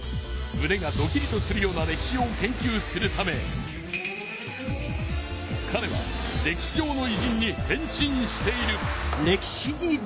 むねがドキリとするような歴史を研究するためかれは歴史上のいじんに変身している。